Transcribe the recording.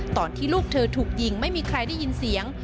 ตอนที่ลูกเธอถูกยิงไม่มีใครได้ยินเสียง